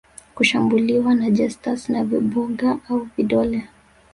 kushambuliwa na jesters na vimbunga au vidole